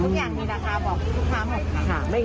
ทุกอย่างมีราคาบอกลูกค้าหมดค่ะ